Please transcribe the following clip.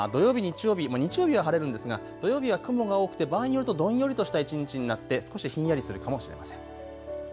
ただ土曜日、日曜日、日曜日は晴れるんですが土曜日は雲が多くて場合によるとどんよりとした一日になって少しひんやりするかもしれません。